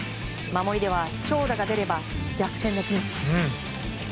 守りでは長打が出れば逆転のピンチ。